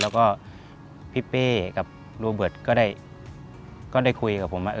แล้วก็พี่เป๊กับรูเบอร์ตก็ได้กลุ่มทีดักคุยกับผม